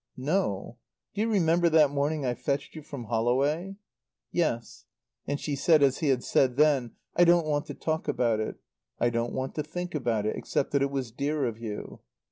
"No. Do you remember that morning I fetched you from Holloway? "Yes." And she said as he had said then, "I don't want to talk about it. I don't want to think about it except that it was dear of you."